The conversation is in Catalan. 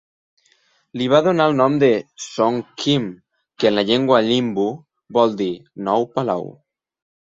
Li va donar el nom de "Song Khim", que en la llengua limbu vol dir "nou palau".